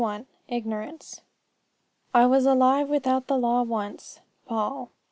IGNORANCE "I was alive without the law once." Paul.